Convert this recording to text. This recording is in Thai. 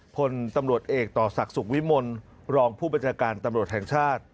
พลตำรวจเอกต่อศักดิ์สุขวิมลรองผู้บัญชาการตำรวจแห่งชาติ